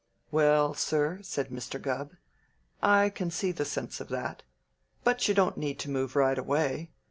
"Well, sir," said Mr. Gubb, "I can see the sense of that. But you don't need to move right away.